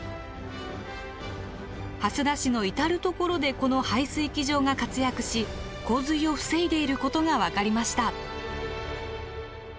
蓮田市の至る所でこの排水機場が活躍し洪水を防いでいることが分かりました。